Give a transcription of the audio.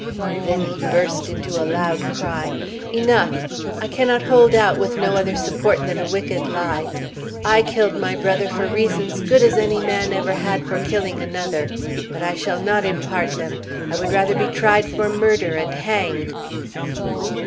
Then he burst into a loud cry: "Enough! I cannot hold out, with no other support than a wicked lie. I killed my brother for reasons good as any man ever had for killing another. But I shall not impart them. I would rather be tried for murder and hanged."